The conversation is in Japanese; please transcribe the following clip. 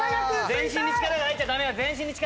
全身に力が入っちゃダメよ。